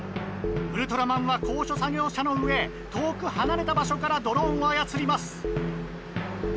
ウルトラマンは高所作業車の上遠く離れた場所からドローンを操ります。